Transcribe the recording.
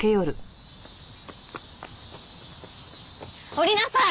降りなさい！